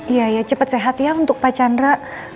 iya iya cepet sehat ya untuk pak chandra